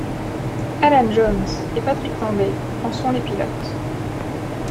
Alan Jones et Patrick Tambay en sont les pilotes.